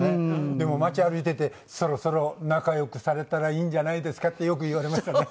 でも街歩いてて「そろそろ仲良くされたらいいんじゃないですか？」ってよく言われましたね。